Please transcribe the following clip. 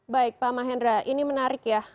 baik pak mahendra ini menarik ya